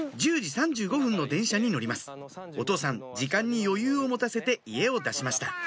１０時３５分の電車に乗りますお父さん時間に余裕を持たせて家を出しました